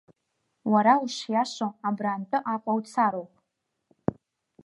Уара ушиашоу абраантәы Аҟәа уцароуп.